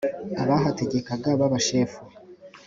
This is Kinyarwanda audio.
Abahategekaga b'abashefu